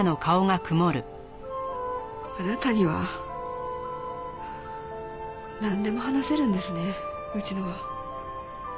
あなたにはなんでも話せるんですねうちのは。